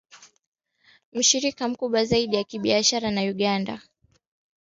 mshirika mkubwa zaidi wa kibiashara na Uganda